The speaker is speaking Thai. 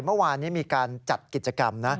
เมื่อวานนี้มีการจัดกิจกรรมนะ